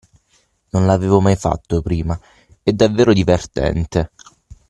Non l'avevo mai fatto prima, è davvero divertente!